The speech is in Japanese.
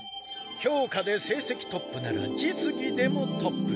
教科でせいせきトップなら実技でもトップ！